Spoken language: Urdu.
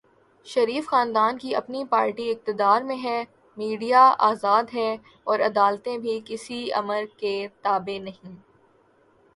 شریف خاندان کی اپنی پارٹی اقتدار میں ہے، میڈیا آزاد ہے اور عدالتیں بھی کسی آمر کے تابع نہیں۔